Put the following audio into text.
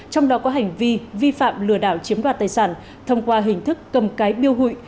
trong đó có hành vi vi phạm lừa đảo chiếm đoạt tài sản thông qua hình thức cầm cái biêu hụi